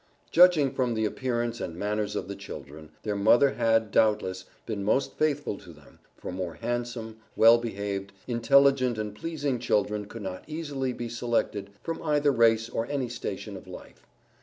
Judging from the appearance and manners of the children, their mother had, doubtless, been most faithful to them, for more handsome, well behaved, intelligent and pleasing children could not easily be selected from either race or any station of life.